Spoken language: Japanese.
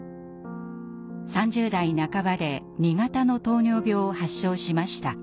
３０代半ばで２型の糖尿病を発症しました。